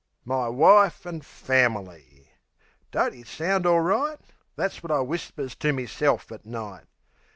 My wife an' fam'ly! Don't it sound all right! That's wot I whispers to meself at night.